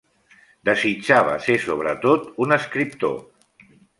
Desitjava ser sobretot un escriptor.